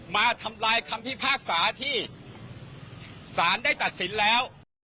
มาทำลายคำพิพากษาที่สารได้ตัดสินแล้ว